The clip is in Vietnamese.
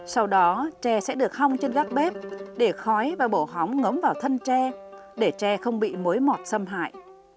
sau đó tre sẽ được hong trên gác bếp để khói và bổ hóng ngống vào thân tre để tre không bị mối mọt xâm hại